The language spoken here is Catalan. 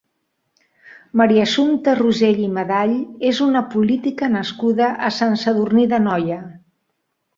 Maria Assumpta Rosell i Medall és una política nascuda a Sant Sadurní d'Anoia.